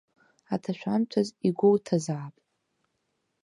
Аҭашәамҭаз игәоуҭозаап.